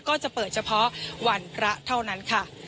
ก็จะเปิดเฉพาะวันพระเท่านั้นค่ะ